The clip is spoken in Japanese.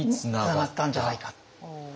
つながったんじゃないか。